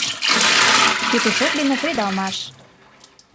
ПЕТУШОК ДЕНЕ КРЕДАЛМАШ